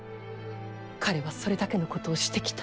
彼はそれだけのことをしてきた。